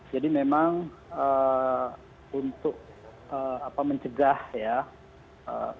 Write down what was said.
jadi memang untuk mencegah ya bagian dari upaya mencegah penyelenggaraan penghutang suara di hari h sembilan desember dua ribu dua puluh